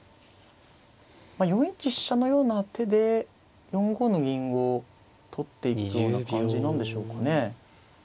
まあ４一飛車のような手で４五の銀を取っていくような感じなんでしょうかね。